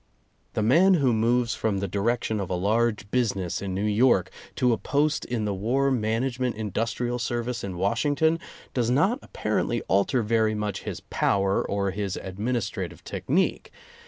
The man who moves from the direction of a large business in New York to a post in the war management industrial service in Washington does not apparently alter very much his power or his administrative technique.